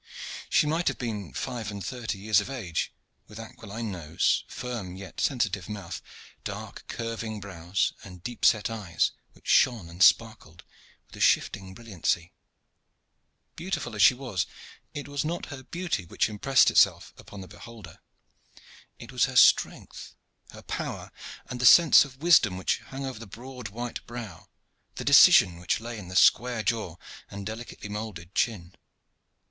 She might have been five and thirty years of age, with aquiline nose, firm yet sensitive mouth, dark curving brows, and deep set eyes which shone and sparkled with a shifting brilliancy. Beautiful as she was, it was not her beauty which impressed itself upon the beholder; it was her strength, her power, the sense of wisdom which hung over the broad white brow, the decision which lay in the square jaw and delicately moulded chin.